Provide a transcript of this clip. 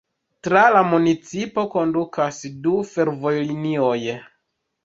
Tra la municipo kondukas du fervojlinioj.